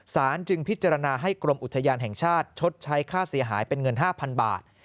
จึงพิจารณาให้กรมอุทยานแห่งชาติชดใช้ค่าเสียหายเป็นเงิน๕๐๐๐บาท